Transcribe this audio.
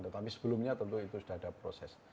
tetapi sebelumnya tentu itu sudah ada proses